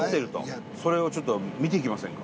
それをちょっと見ていきませんか。